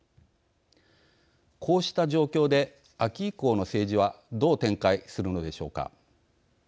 こうした状況で、秋以降の政治はどう展開するのでしょうか。